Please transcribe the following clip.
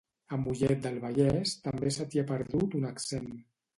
A Mollet del Vallès també se t'hi ha perdut un accent